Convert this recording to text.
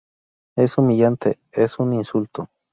Es humillante, es un insulto.